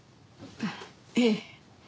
ええ。